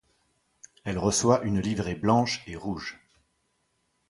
Elle reçoit une livrée blanche et rouge.